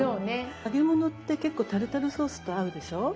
揚げ物って結構タルタルソースと合うでしょ？